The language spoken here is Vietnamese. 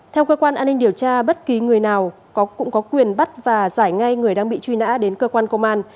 theo cơ quan an ninh điều tra bất kỳ người nào cũng có quyền bắt và giải ngay người đang bị truy nã đến cơ quan công an